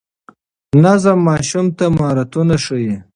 نظم ماشوم ته مهارتونه ښيي.